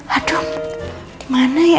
aduh dimana ya